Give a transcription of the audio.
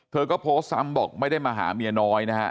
เธอก็โพสต์ซ้ำบอกไม่ได้มาหาเมียน้อยนะฮะ